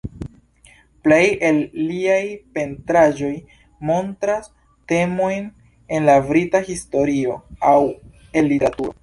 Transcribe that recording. Plej el liaj pentraĵoj montras temojn el la Brita historio, aŭ el literaturo.